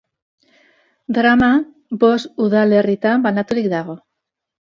Drama bost udalerritan banaturik dago.